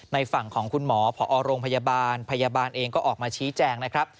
ในฝั่งของคุณหมอผอโรงพยาบาลพยาบาลเองก็ออกมาชี้แจงนะครับ